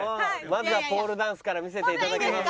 まずはポールダンスから見せていただけます？